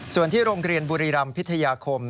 ส่วนที่โรงเรียนบุรีรำพิทยาคม